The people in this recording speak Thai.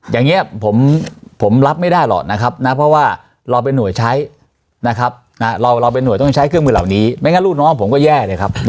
อย่างนี้ผมรับไม่ได้หรอกนะครับนะเพราะว่าเราเป็นห่วยใช้นะครับเราเป็นห่วยต้องใช้เครื่องมือเหล่านี้ไม่งั้นลูกน้องผมก็แย่เลยครับ